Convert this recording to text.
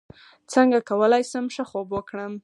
څنګه کولی شم ښه خوب وکړم